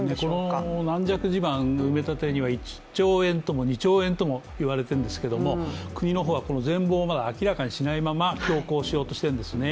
この軟弱地盤の埋め立ては１兆円とも２兆円とも言われているんですが国の方はその全貌を明らかにしないまま強行しようとしているんですね。